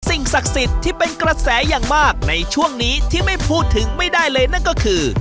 สิ่งศักดิ์สิทธิ์ที่เป็นกระแสอย่างมากในช่วงนี้ที่ไม่พูดถึงไม่ได้เลยนั่นก็คือ